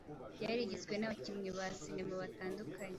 ryari rigizwe n’abakinnyi ba sinema batandukanye